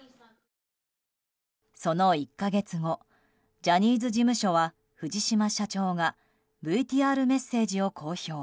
その１か月後ジャニーズ事務所は藤島社長がＶＴＲメッセージを公表。